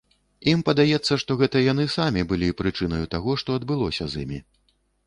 Ім падаецца, што гэта яны самі былі прычынаю таго, што адбылося з імі.